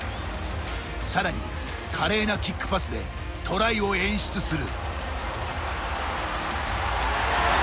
さらに華麗なキックパスでトライを演出する。